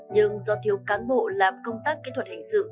nhưng do thiếu cán bộ làm công tác kỹ thuật hình sự